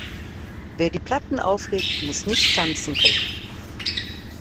Wer die Platten auflegt, muss nicht tanzen können.